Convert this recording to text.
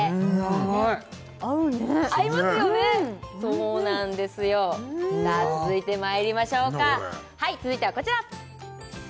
おいしい合いますよねそうなんですよさあ続いてまいりましょうかはい続いてはこちら！